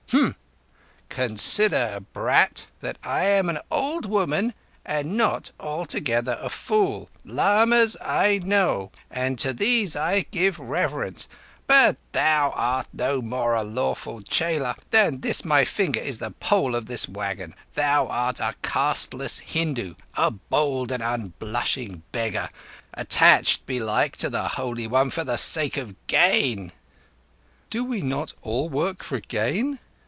"Humph! Consider, brat, that I am an old woman and not altogether a fool. Lamas I know, and to these I give reverence, but thou art no more a lawful chela than this my finger is the pole of this wagon. Thou art a casteless Hindu—a bold and unblushing beggar, attached, belike, to the Holy One for the sake of gain." "Do we not all work for gain?"